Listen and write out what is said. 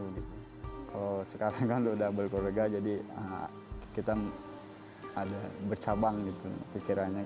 kalau sekarang kan udah berkeluarga jadi kita ada bercabang gitu pikirannya